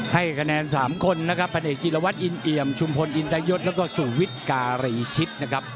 ให้คะแนน๓คนนะครับพันเอกจิลวัตรอินเอี่ยมชุมพลอินทยศแล้วก็สุวิทย์การีชิตนะครับ